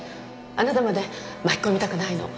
あなたまで巻き込みたくないの。